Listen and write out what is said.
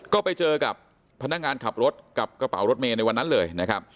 ก็ไปเจอกับพนักงานขับรถกับกระเป๋ารถเมย์ในวันนั้นเลยนะครับ